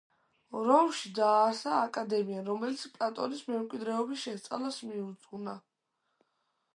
რომში დაარსა აკადემია, რომელიც პლატონის მემკვიდრეობის შესწავლას მიუძღვნა.